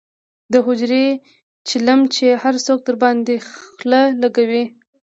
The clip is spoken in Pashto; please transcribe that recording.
دحجرې چیلم یې هر څوک درباندې خله لکوي.